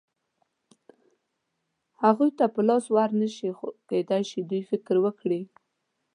هغوی ته په لاس ور نه شي، کېدای شي دوی فکر وکړي.